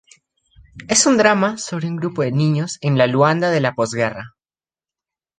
Es un drama sobre un grupo de niños en la Luanda de la posguerra.